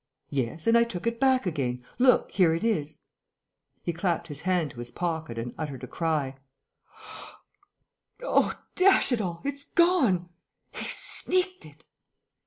"Yes; and I took it back again.... Look, here it is." He clapped his hand to his pocket and uttered a cry: "Oh, dash it all, it's gone!... He's sneaked it!..."